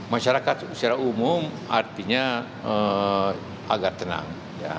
masyarakat secara umum artinya agar tenang